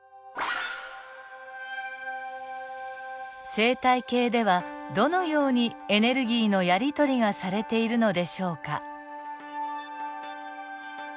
生態系ではどのようにエネルギーのやり取りがされているのでしょうか。